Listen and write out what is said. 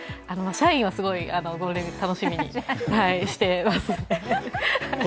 社員はすごいゴールデンウイーク楽しみにしてますね。